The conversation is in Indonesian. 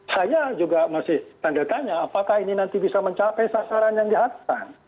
saya juga masih tanda tanya apakah ini nanti bisa mencapai sasaran yang diharapkan